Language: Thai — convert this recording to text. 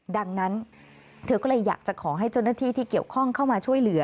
ดังนั้นเธอก็เลยอยากจะขอให้เจ้าหน้าที่ที่เกี่ยวข้องเข้ามาช่วยเหลือ